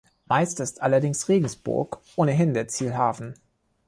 Meist ist allerdings Regensburg ohnehin der Zielhafen.